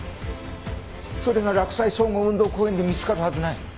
それが洛西総合運動公園で見つかるはずない。